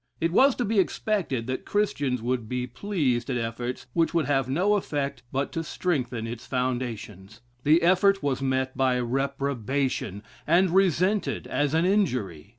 It was to be expected that Christians would be pleased at efforts which would have no effect but to strengthen its foundations. The effort was met by reprobation, and resented as an injury.